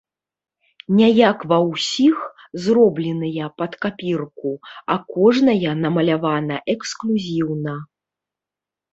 Не як ва ўсіх, зробленыя пад капірку, а кожная намалявана эксклюзіўна.